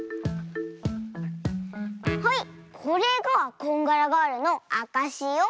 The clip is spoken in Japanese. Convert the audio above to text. はいこれがこんがらガールのあかしよ！